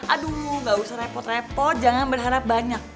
aduh gak usah repot repot jangan berharap banyak